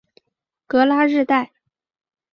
戈拉日代。